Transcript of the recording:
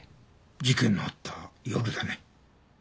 事件のあった夜だね。